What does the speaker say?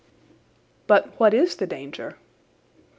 "But what is the danger?"